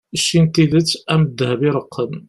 cci n tidet am ddheb iṛeqqen